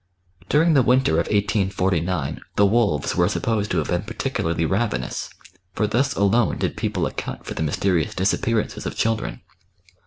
During the winter of 1849 the wolves were supposed to have been particularly ravenous, for thus alone did people account for the mysterious disappearances of children.